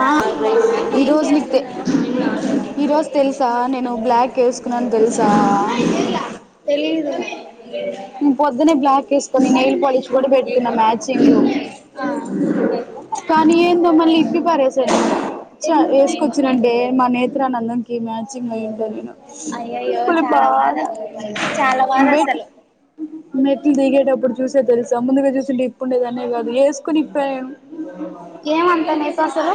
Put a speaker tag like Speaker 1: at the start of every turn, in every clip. Speaker 1: ఆ ఈ
Speaker 2: ఏం
Speaker 1: రోజు నీకే
Speaker 2: చేస్తున్నావు
Speaker 1: ఈరోజు తెలుసా నేను బ్లాక్ ఏసుకున్నాని దెలుసు
Speaker 2: తెలీదు
Speaker 1: యేసుకొని నేల్ పాలీష్ గూడా బెట్టుకున్న మ్యాచింగ్
Speaker 2: ఆ
Speaker 1: కానీ ఏందో మళ్ళీ పరేసేయ్ చ
Speaker 2: ఎందుకు
Speaker 1: యేసుకొచ్చిరంటే మా నేత్రాన్ని అందంకి మ్యాచింగ్ అయి ఉంటా నేను
Speaker 2: అయ్యో చాలా బాధ చాలా బాధ
Speaker 1: మెట్లు
Speaker 2: అసలు
Speaker 1: మెట్లు దిగేటప్పుడు చూసే తెలుసా ముందుగా చూసింటే ఇప్పుండేదానే గాదు యేసుకొని ఇప్పా
Speaker 2: ఏం అంతా నీకసలు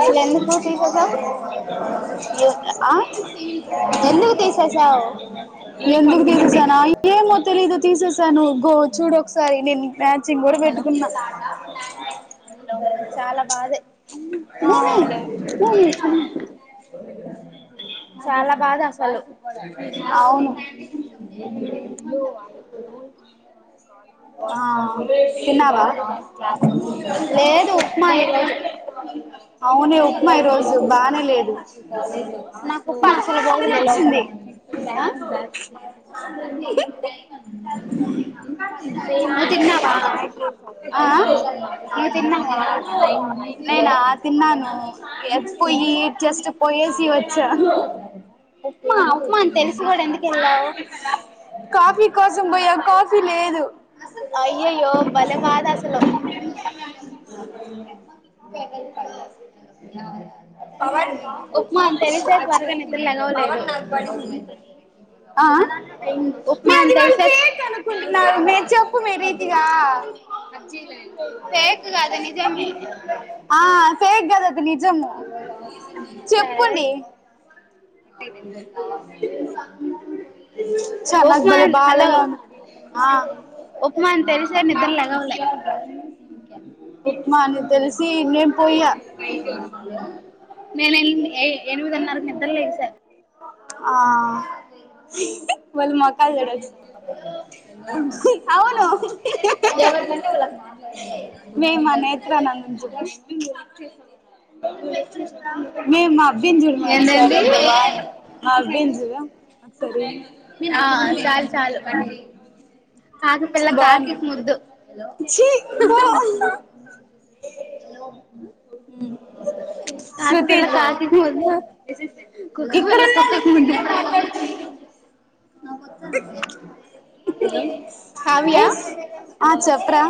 Speaker 2: అసలు ఎందుకు తీసేసావు
Speaker 1: ఆ
Speaker 2: ఎందుకు తీసేసావు
Speaker 1: ఎందుకు దిగుతునావ్ ఏం వద్దు తెలీదు తీసేసాను గో చూడు ఒకసారి నేను మ్యాచింగ్ గూడా పెట్టుకున్నా [inaudible]
Speaker 2: చాలా బాధే భూమి భూమి ఇట్రా చాలా బాధ అసలు [inaudible]
Speaker 1: ఆ అవును ఆ తిన్నావా
Speaker 2: లేదు ఉప్మా ఈరోజు [inaudible]
Speaker 1: అవునే ఉప్మా ఈ రోజు బానే లేదు
Speaker 2: నాకు ఉప్మా అసలు
Speaker 1: పదహారొందలు
Speaker 2: పోదులే లోపల
Speaker 1: వచ్చింది
Speaker 2: ఆ
Speaker 1: [inaudible]
Speaker 2: నువ్వు తిన్నావా
Speaker 1: ఆ
Speaker 2: నువ్వు తిన్నావా
Speaker 1: ఆ నేనా తిన్నాను ఎప్పు ఈ జస్ట్ పోయేసి వచ్చా
Speaker 2: ఉప్మా ఉప్మా వత్తం దెలిసి గూడా ఎందుకెళ్ళావు
Speaker 1: కాఫీ కోసం పోయా కాఫీ లేదు
Speaker 2: అయ్యయ్యో భలే బాధ అసలు బగ ప [unintelligible] ఉప్మా అని తెలిసే త్వరగా నిద్రలేగువలేదు
Speaker 1: ఆ ఆ మే
Speaker 2: ఉప్మా అని
Speaker 1: అది వాళ్ళు
Speaker 2: తెలిసే
Speaker 1: ప్లెట్ అనుకుంటున్నారు మే చెప్పువే రీతిగా
Speaker 2: ఫేక్ కాదు నిజమే
Speaker 1: ఆ ఆ ఫేక్ గాదు అది నిజము చెప్పుండి
Speaker 2: అంట
Speaker 1: చ
Speaker 2: [unintelligible]
Speaker 1: నాకు భలే
Speaker 2: ఉప్ప్మాన్, హల్లో!
Speaker 1: బాధగా ఉంది ఆ
Speaker 2: ఉప్ప్మాన్ తెల్సేయ్, నిద్ర లేగావ్లే.
Speaker 1: హిప్ప్మాన్ అని తెలిసి, నేను పోయా.
Speaker 2: నేను ఎన్ని అయ్యి, ఎనిమిది నరకు నిద్రలు లేగ్సా.
Speaker 1: ఆ హ, వాళ్ల మొక్కలు చూడాల్సింది.
Speaker 2: ఎవరికంటే, వాళ్లకు [unintelligible] మాట్లాడేది ఉండదు. [unintelligible]
Speaker 1: జాబస్టైన్ వర్క్ చేశావ్ కదా? దబ్బున తెచ్చేయ్. మేయ్, మా హబ్బీని జూడు మా ఒకసారి. సార్
Speaker 2: ఏంటండి
Speaker 1: ఎంత బాగున్నారో, మేయ్ మా హబ్బీని జూడు.
Speaker 2: నే ఆ చాల, చాల కట చేయ. కాకి పిల్ల, కాకికి
Speaker 1: బాగున్నాడు
Speaker 2: ముద్దు.
Speaker 1: ఛీ పో
Speaker 2: హాహా. [unintelligible] చేలో. [unintelligible]
Speaker 1: [inaudible] శృతితో. ఇకడున్న,
Speaker 2: కుక్క పిల్ల కుక్కకు
Speaker 1: ఇకడికడే మాట్లాడుతున్న.
Speaker 2: నాకు వద్దు అన్వయ్యాన్. [unintelligible]
Speaker 1: మిస్ ఆ? చెప్పరా?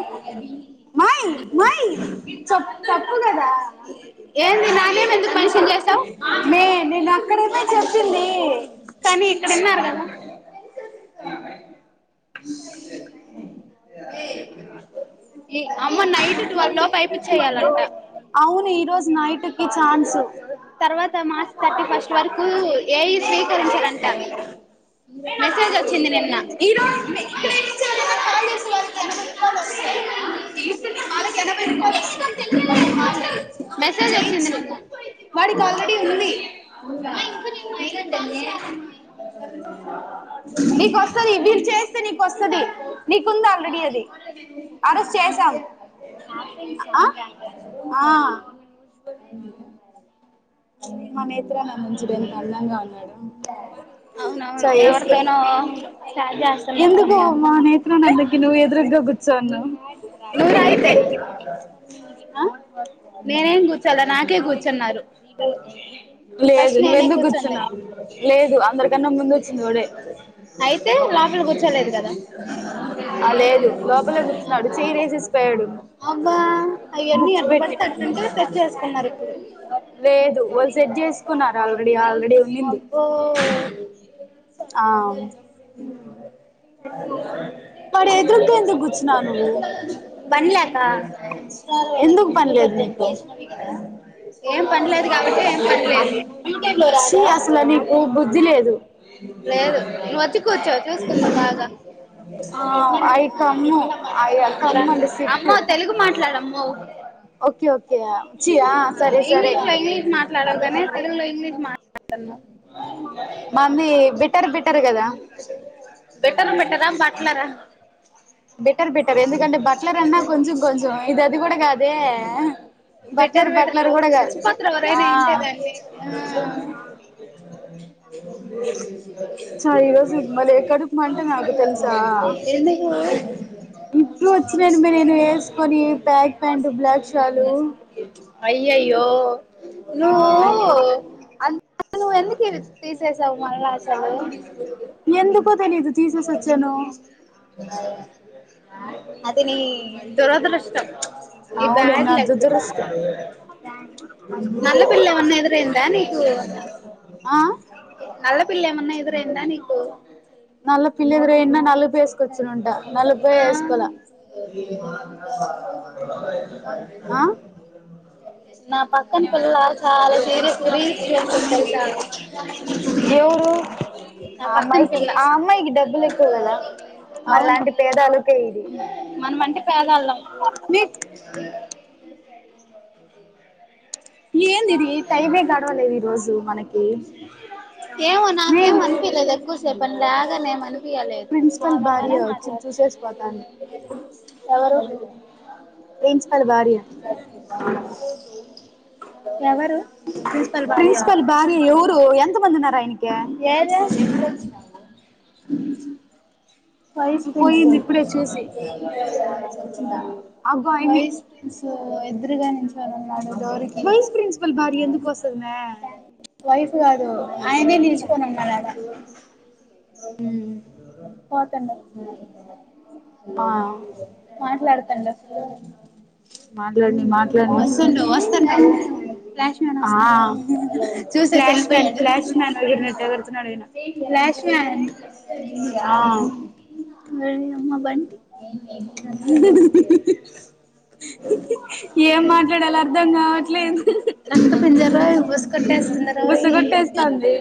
Speaker 2: మూత్ ముస్కొని.
Speaker 1: చప్పు, తప్పు కదా?
Speaker 2: ఏంది? నా నేమ్ ఎందుకు మెన్షన్ చేశావ్?
Speaker 1: మే తక్లీఫ్.
Speaker 2: ఇక్కడ ఇన్నార కదా?
Speaker 1: [unintelligible] [unintelligible]
Speaker 2: ఈ. అమ్మ నైట్ ట్వల్ లోపు, పైపు చేయాలంట?
Speaker 1: అవును, ఈ రోజు నైట్. టుకి ఛాన్సూ.
Speaker 2: తర్వాత మార్చ్ థర్టీ ఫస్ట్ వరకు
Speaker 1: [unintelligible]
Speaker 2: ఈ రోజ. గుర్తొచ్చింది నిన్న. [unintelligible] [unintelligible]
Speaker 1: పళ్లకి ఎనభై రూపాయలు వస్తాది, ఒక పళ్లకి.
Speaker 2: మెసేజ్ వచ్చింది
Speaker 1: చేయిచ్చు.
Speaker 2: నిన్న
Speaker 1: వాడికి ఆల్రెడీ ఉంది.
Speaker 2: ఇంకా నిన్నే మహిళను తెలుసా? [unintelligible]
Speaker 1: నీకు వస్తాది. వీళ్లు చేస్తే, నీకు వస్తాది. నీకు ఉంది ఆల్రెడీ అది. ఆరోజు చేశాం. అ ఆ. మా నేత్ర ఆనందం చూడు, ఎంత అందంగా ఉన్నడో.
Speaker 2: అవునవును ఎవరితోనో చాట్
Speaker 1: ఎందుకు
Speaker 2: చేస్తున్నట్టుంది
Speaker 1: మా నేత్ర ఆనందానికి ఎదురుతగులు? సో ను.
Speaker 2: నువ్వు రా అయితే
Speaker 1: హాహా.
Speaker 2: నేనేం గుచాలా? నాకే గుచ్చున్నారు.
Speaker 1: బెల్ల [unintelligible] లేదు నువ్వెందుకు,
Speaker 2: కూర్చుంది
Speaker 1: గుచ్చినవూ? లేదు అందరికన్నా ముందు వచ్చింది వాడే.
Speaker 2: అయితే లోపల కూర్చోలేదు కదా?
Speaker 1: ఆ లేదు, లోపల కూర్చున్నాడు. చైర్ ఏసిస్తాడు
Speaker 2: అబ్బా అవన్నీ
Speaker 1: బుక్స్
Speaker 2: ఎట్ట
Speaker 1: పెట్టి.
Speaker 2: పడితే అట్టుంటే తెచ్చేసుకున్నారు ఇప్పుడు
Speaker 1: లేదు, వాళ్లు సెట్ చేసుకున్నారు. ఆల్రెడీ ఆల్రెడీ
Speaker 2: వూ
Speaker 1: ఊనింది.
Speaker 2: ఓ ఓ.
Speaker 1: ఆ. వాడు ఎదురుగా ఎందుకు గుచ్చినవూ నువు?
Speaker 2: పనిలేక
Speaker 1: ఏందుకు? పని లేదు నీకు?
Speaker 2: ఏం పనిలేదు కాబట్టి ఏం పనిలేదు
Speaker 1: ఛీ, అసల నీకు బుద్ధి లేదు?
Speaker 2: లేదు, నువ్వు వచ్చి కూర్చో. చూసుకుందాం, బా.
Speaker 1: ఆ ఐ కమ్ము ఐ కమ్ అంటే సిట్
Speaker 2: అమ్మ, తెలుగు మాట్లాడమ్మా? మొ.
Speaker 1: ఓకే ఓకే ఛీ ఆ సరే సరే
Speaker 2: ఇంగ్లీష్ లో ఇంగ్లీష్ మాట్లాడవు కానీ తెలుగులో ఇంగ్లీష్ మాట్ [unintelligible]
Speaker 1: మంది బిట్టారు బిట్టరు కదా
Speaker 2: బిట్టారు బిట్టారా బాట్లార
Speaker 1: బిట్టర్ బిట్టర్ ఎందుకంటే బట్లర్ అన్నా కొంచం కొంచెం ఇది అది కూడా కాదే
Speaker 2: బిట్టర్
Speaker 1: బట్లర్
Speaker 2: బెటర్
Speaker 1: బట్లర్ కూడా కాదు
Speaker 2: రచ్చపోతారు
Speaker 1: ఆ
Speaker 2: ఎవరైనా ఇంటేదండి
Speaker 1: చ ఈరోజు మళ్ళీ కడుపు మంట నాకు
Speaker 2: [inaudible] ఎందుకు ఆ
Speaker 1: ఇప్పుడే వచ్చినను మె నేను వేసుకొని బ్లాక్ ప్యాంట్ బ్లాక్ షర్
Speaker 2: అయ్యయ్యో
Speaker 1: ఆ
Speaker 2: నువ్వు అ నువ్వేందుకు ఇది తీసేసావు మల్ల చ
Speaker 1: ఎందుకో తెలీదు తీసేసి వచ్చాను
Speaker 2: అది నీ దురదృష్టం నీ
Speaker 1: అవునే
Speaker 2: బ్యాడ్
Speaker 1: నా
Speaker 2: లక్
Speaker 1: దురదృష్టం
Speaker 2: నల్ల పిల్లెమన్నా ఎదురైందా నీకు
Speaker 1: ఆ
Speaker 2: నల్ల పిల్లెమన్నా ఇదురైందా నీకు
Speaker 1: నల్లపిల్లేదురైనా నలుపు వేసుకోవచ్చునుంట నలుపే
Speaker 2: ఆ
Speaker 1: వేసుకోల
Speaker 2: [inaudible]
Speaker 1: ఆ
Speaker 2: నా పక్కన పిల్ల చాలా సీరియస్గ రీల్స్ చూస్తాంది తెల్సా
Speaker 1: ఎవరు
Speaker 2: నా
Speaker 1: ఆ
Speaker 2: పక్కన
Speaker 1: అమ్మాయికి
Speaker 2: పిల్ల
Speaker 1: ఆ అమ్మాయికి డబ్బులు ఎక్కువ కదా
Speaker 2: అవును
Speaker 1: మనలాంటి పేదాలకే ఇది
Speaker 2: మనమంటే పేదోళ్ళం [inaudible]
Speaker 1: ఏందిది టైమే గడవలేదు ఈ రోజు మనకి
Speaker 2: ఏమో
Speaker 1: మేం
Speaker 2: నాకేం అనిపిలేదు ఎక్కువసేపని లాగని ఏమనిప్ ఇయలేదు
Speaker 1: ప్రిన్సిపల్ భార్య
Speaker 2: నార్మలుగానే
Speaker 1: వచ్చి
Speaker 2: మాట్లాడత
Speaker 1: చూసేసి పోతాంది
Speaker 2: ఎవరు
Speaker 1: ప్రిన్సిపల్ భార్య
Speaker 2: ఎవరు
Speaker 1: ప్రిన్సిపల్ భార్య ఎవరు ఎంత మంది ఉన్నారాయనికి
Speaker 2: [inaudible] వైస్
Speaker 1: పోయింది ఇప్పుడే చూసి
Speaker 2: ప్రిన్సిపల్
Speaker 1: అగ్గో ఆయమ్మి
Speaker 2: వైస్ ప్రిన్సిపల్ ఎద్దురుగా నించోనున్నాడు డోరికి
Speaker 1: వైస్ ప్రిన్సిపల్ భార్య ఎందుకు వస్తది మే
Speaker 2: వైఫ్ కాదు ఆయనే నిలిచుకోనున్నాడు ఆడ పోతండ
Speaker 1: ఆ
Speaker 2: మాట్లాడుతుండు
Speaker 1: మాట్లాడని
Speaker 2: వస్తుండు
Speaker 1: మాట్లాడని
Speaker 2: వస్తున ఫ్లాష్ మన్
Speaker 1: ఆ
Speaker 2: వస్తాండ్ల చూసేసి
Speaker 1: ఫ్లాష్ మ్యాన్
Speaker 2: వెళ్ళపోయాడు
Speaker 1: ఫ్లాష్ మ్యాన్ ఎగిరినట్టు ఎగురుతున్నాడు ఈయన
Speaker 2: ఫ్లాష్మాన్
Speaker 1: ఆ
Speaker 2: ఒడియమ్మ బంటీ
Speaker 1: [inaudible] ఏం మాట్లాడాలి అర్ధం కావట్లేదు
Speaker 2: రక్త పంజరోయ్ బుస్ కొట్టేస్తుంది
Speaker 1: బుస
Speaker 2: రోయ్
Speaker 1: గొట్టేస్తంది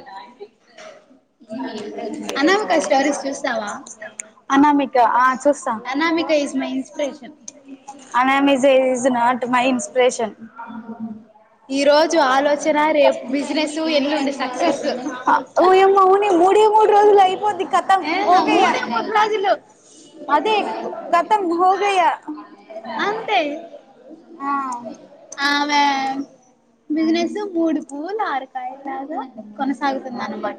Speaker 2: అనామక స్టోరీస్ చూస్తావా
Speaker 1: [inaudible] అనామిక ఆ చూస్తా
Speaker 2: అనామిక ఈజ్ మై ఇన్స్పిరేషన్
Speaker 1: అనామీజా ఇస్ నాట్ మై ఇన్స్పిరేషన్
Speaker 2: ఈ రోజు ఆలోచన రేపు బిజినెస్ ఎల్లుండి సక్సెస్
Speaker 1: ఓయమ్మా అవునే మూడు మూడు రోజులు అయిపోద్ది కతం
Speaker 2: ఏ
Speaker 1: హోగయా
Speaker 2: మూడే మూడు రోజులు
Speaker 1: అదే కతం హోగయా
Speaker 2: అంతే ఆమె బిజినెస్ మూడు పువ్వులు ఆరు కాయల లాగ కొనసాగుతుంది అనమాట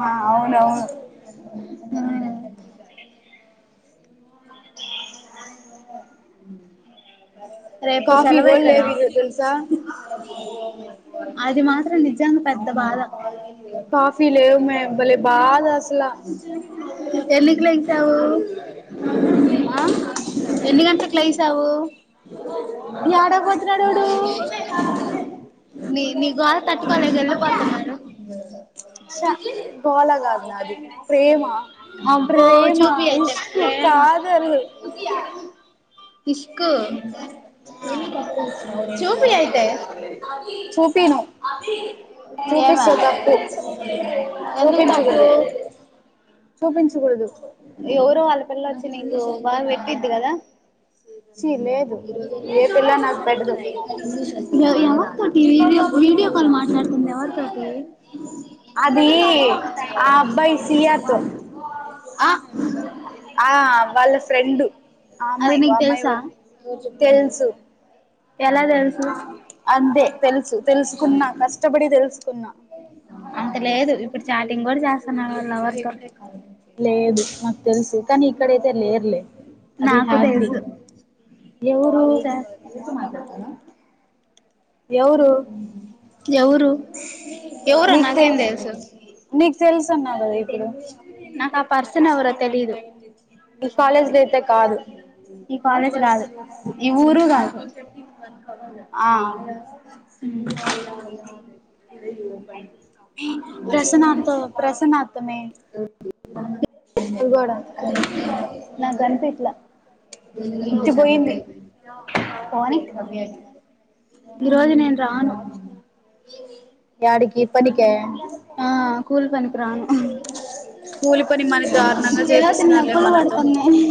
Speaker 1: ఆ అవునవును
Speaker 2: మ్ రేపు
Speaker 1: కాఫీ
Speaker 2: సెలవే
Speaker 1: కూడా
Speaker 2: కదా
Speaker 1: లేవు ఈరోజు తెలుసా
Speaker 2: ఆది మా నిజంగా పెద్ద బాధ
Speaker 1: కాఫీ లేవు మే భలే బాధ అసల
Speaker 2: ఎ ళ్లికి లేచావు
Speaker 1: ఆ
Speaker 2: ఎన్నిగంటలకి లేచావు ఇకా
Speaker 1: యాడకు పోతున్నాడు
Speaker 2: మార్నింగ్ ఏ లెసిన
Speaker 1: వాడు
Speaker 2: నీ నీ గోల తట్టుకోలేక వెళ్ళిపోతున్నారు
Speaker 1: గోలగాదు నాది ప్రేమా
Speaker 2: అబ్బో
Speaker 1: ప్రేమా
Speaker 2: చూపి అయితే
Speaker 1: ఇష్క్
Speaker 2: ప్రేమ
Speaker 1: కాదల్
Speaker 2: ఇష్క్ ఏంటి అట్లా చూస్తున్నావ్ చూపి అయితే
Speaker 1: చూపిను
Speaker 2: ఏమా
Speaker 1: చూపిస్తే తప్పు
Speaker 2: ఎందుకు తప్పు
Speaker 1: చూపించకూడదు చూపించకూడదు
Speaker 2: ఎవరు వాళ్లపిల్ల వచ్చి నీకు బాగా పెట్టిద్ది కదా
Speaker 1: చి లేదు ఏ పిల్ల నాకు పెట్టదు
Speaker 2: ఎవరితోటి వీడియో వీడియో కాల్ మాట్లాడుతుంది ఎవరితోటి
Speaker 1: అది ఆ అబ్బాయి సియాతో
Speaker 2: ఆ
Speaker 1: ఆ వాళ్ళ ఫ్రెండు ఆ
Speaker 2: అది
Speaker 1: ఆమ్మాయి
Speaker 2: నీకు
Speaker 1: అమ్మాయి
Speaker 2: తెలుసా
Speaker 1: వాళ తెలుసు
Speaker 2: ఎలా తెలుసు
Speaker 1: ఆ అంతే తెలుసు తెలుసుకున్నా కష్టపడి తెలుసుకున్నా
Speaker 2: అంత లేదు ఇప్పుడు చాటింగ్ కూడా చేస్తున్నారు వాళ్ళు లవర్ తోటి
Speaker 1: లేదు మాకు తెలుసు కానీ ఇక్కడైతే లేర్లే అది
Speaker 2: నాకు తెలుసు
Speaker 1: హ్యాపీ ఎవరు
Speaker 2: చెస్
Speaker 1: ఎవరు
Speaker 2: ఎవరు ఎవరో
Speaker 1: నీకు తెల్
Speaker 2: నాకేంతెలుసు
Speaker 1: నీకు తెలుసున్నా కదా ఇప్పుడు
Speaker 2: నాకు ఆ పర్సన్ ఎవరు తెలీదు
Speaker 1: ఈ కాలేజ్ లో అయితే కాదు
Speaker 2: ఈ కాలేజ్ కాదు ఈ ఊరు
Speaker 1: ఆ
Speaker 2: కాదు
Speaker 1: ఆ ప్రసన్నతో ప్రసన్నతోనే
Speaker 2: నాకు కనిపిస్తు
Speaker 1: ఉత్తి పోయింది
Speaker 2: బోనిగ్ ఈరోజు
Speaker 1: ఉమ్
Speaker 2: నేను రాను
Speaker 1: యాడికి పనికే
Speaker 2: ఆ స్కూల్ పనికు రాను
Speaker 1: స్కూలు పని మనకి దారుణంగా చేపి
Speaker 2: చేతి
Speaker 1: స్తున్నారులే
Speaker 2: నొప్పులు
Speaker 1: మనతో
Speaker 2: పడుతున్నాయి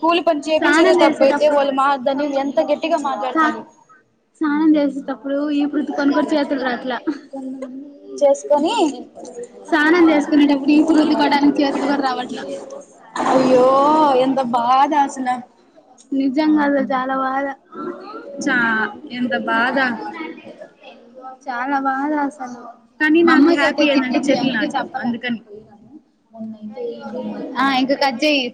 Speaker 1: కూలి పనిచేపిచ్చేదే
Speaker 2: స్నానం
Speaker 1: తప్పైతే
Speaker 2: చేసేటప్పుడు
Speaker 1: వాళ్ల్మా మా దాని ఎంత గట్టిగా
Speaker 2: సా
Speaker 1: మాట్లాడతారు
Speaker 2: స్నానం చేస్తేటప్పుడు ఈపు రుద్దుకోడానికి కూడా చేతకావట్లే
Speaker 1: చేసుకొని
Speaker 2: స్నానం చేసుకునేటప్పుడు ఈపు రుద్దుకోవడానికి చేతులు కూడా రావట్లేదు
Speaker 1: అయ్యో ఎంత బాధ ఆసల
Speaker 2: నిజంగానే చాలా బాధ
Speaker 1: చా ఎంత బాధ
Speaker 2: చాలా బాధ అసలు
Speaker 1: కానీ నాకు
Speaker 2: మామ్మకి చెప్తే
Speaker 1: హ్యాపీ ఏందంటే
Speaker 2: తిట్టిది
Speaker 1: చెట్లు
Speaker 2: అందుకే
Speaker 1: నాటడం
Speaker 2: చెప్పలే
Speaker 1: అందుకని
Speaker 2: ఆ ఇంక కట్ చేయ్